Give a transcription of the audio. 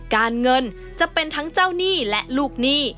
การเงินจะเป็นทั้งเจ้าหนี้และลูกหนี้